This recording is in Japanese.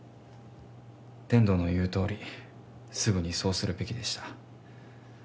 天堂の言うとおりすぐにそうするべきでした